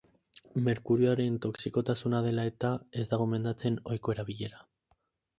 Merkurioaren toxikotasuna dela eta, ez da gomendatzen ohiko erabilera.